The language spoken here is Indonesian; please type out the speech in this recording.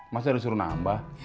masih udah suruh nambah